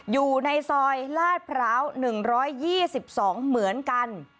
อยู่ในซอยลาดพร้าว๑๒๒เหมือนกัน